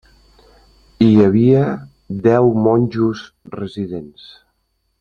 Hi havia deu monjos residents.